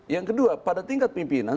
yang kedua pada tingkat pimpinan